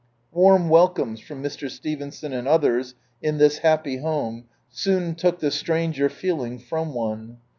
Warm welcomes fiono Mr. Stevenson and others, in this happy home, soon took the stranger feeling from one.